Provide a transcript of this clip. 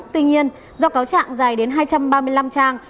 tuy nhiên do cáo trạng dài đến hai trăm ba mươi năm trang